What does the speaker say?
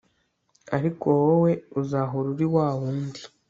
ariko wowe uzahora uri wa wundi